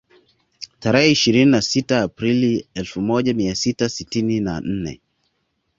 Tarehe ishirini na sita Aprili elfu moja mia tisa sitini na nne